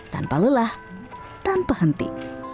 tanpa lelah tanpa henti